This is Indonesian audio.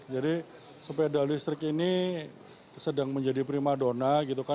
jadi sepeda listrik ini sedang menjadi prima dona